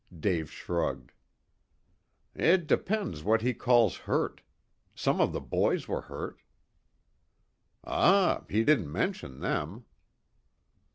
Dave shrugged. "It depends what he calls hurt. Some of the boys were hurt." "Ah. He didn't mention them."